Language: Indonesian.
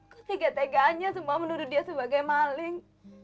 ketiga teganya semua menurut dia sebagai maling